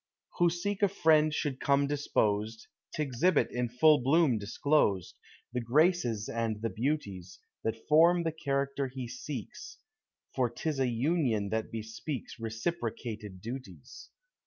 / Who seek a friend should come disposed, J T exhibit in full bloom disclosed The graces and the beauties, ! That form the character he seeks. For 't is a union that besi>eaks Reciprocated duties.